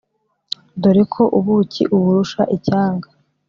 dore ko ubuki uburusha icyanga